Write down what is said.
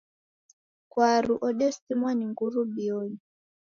Kwaru odesimwa ni nguru mbionyi.